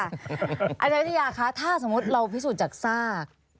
อาจารย์วิทยาคะถ้าสมมุติเราพิสูจน์จากซาก